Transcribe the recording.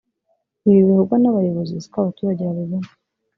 Ibi bivugwa n’abayobozi siko abaturage babibona